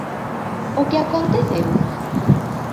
O que aconteceu?